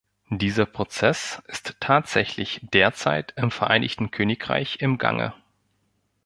Dieser Prozess ist tatsächlich derzeit im Vereinigten Königreich im Gange.